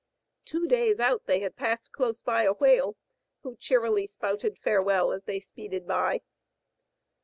Two days out they had passed close by a whale, who cheerily spouted farewell as they speeded by.